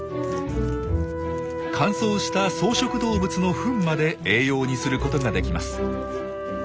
乾燥した草食動物のフンまで栄養にすることができます。